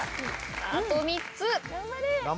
あと３つ！